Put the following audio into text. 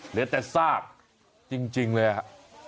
เหลือแต่ซากจริงเลยครับ